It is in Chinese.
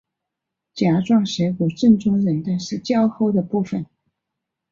甲状舌骨正中韧带是较厚的部分。